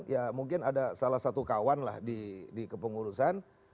ya mungkin ada salah satu kawan lah di kepengurusan